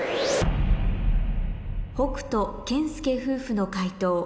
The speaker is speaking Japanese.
北斗・健介夫婦の解答